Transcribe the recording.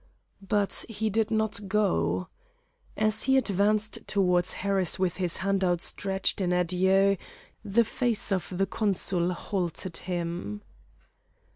But he did not go. As he advanced toward Harris with his hand outstretched in adieu, the face of the consul halted him.